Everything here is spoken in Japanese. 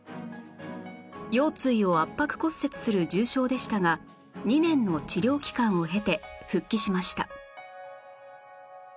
腰椎を圧迫骨折する重傷でしたが２年の治療期間を経て復帰しました